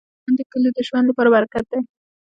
• باران د کلیو د ژوند لپاره برکت دی.